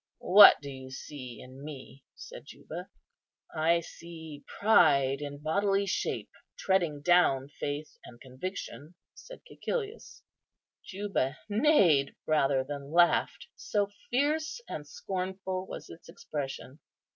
"What do you see in me?" said Juba. "I see pride in bodily shape, treading down faith and conviction," said Cæcilius. Juba neighed rather than laughed, so fierce and scornful was its expression.